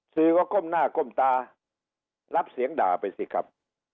สื่อก็ก้มหน้าก้มตารับเสียงด่าไปสิครับ